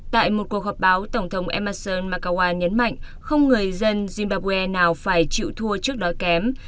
tại một cuộc họp báo tổng thống emmason makawa nhấn mạnh không người dân zimbabwe nào phải chịu thua trước đói kém